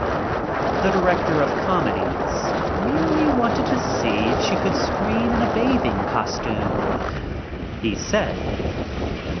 The director of comedies merely wanted to see if she could screen in a bathing costume, he said.